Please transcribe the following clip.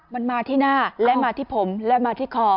มันมาที่หน้าและมาที่ผมและมาที่คอ